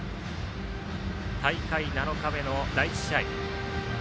大会７日目の第１試合。